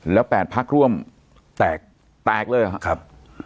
แล้ว๘พักร่วมแตกเลยเหรอครับ